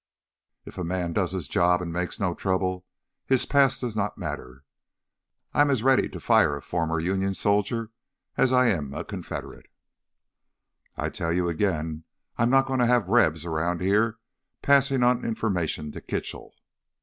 If a man does his job and makes no trouble, his past does not matter. I am as ready to fire a former Union soldier as I am a Confederate—" "I tell you again: I'm not going to have Rebs around here passing on information to Kitchell!"